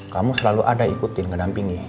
kamu selalu ada ikutin ngedampingi